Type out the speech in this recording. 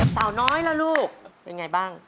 สาวน้อยล่ะลูกเป็นอย่างไรบ้าง